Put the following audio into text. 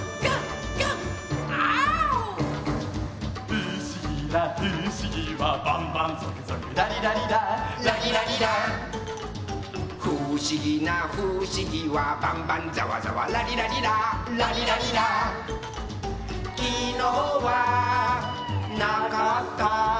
「ふしぎなふしぎはバンバンゾクゾクラリラリラ」「ラリラリラ」「ふしぎなふしぎはバンバンザワザワラリラリラ」「ラリラリラ」「きのうはなかった」